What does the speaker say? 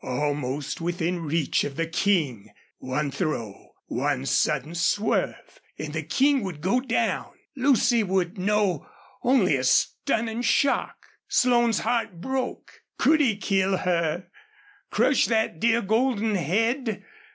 Almost within reach of the King! One throw one sudden swerve and the King would go down. Lucy would know only a stunning shock. Slone's heart broke. Could he kill her crush that dear golden head?